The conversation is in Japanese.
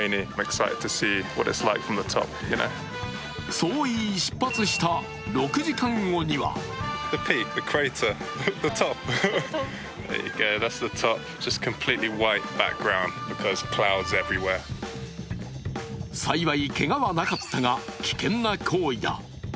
そう言い出発した６時間後には幸いけがはなかったが危険な行為だ。